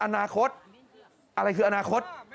อนาคตอะไรคืออนาคต